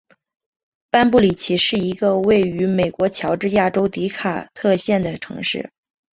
班布里奇是一个位于美国乔治亚州迪卡特县的城市。